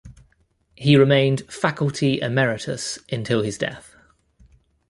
He remained faculty emeritus until his death.